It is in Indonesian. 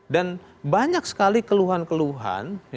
dan banyak sekali keluhan keluhan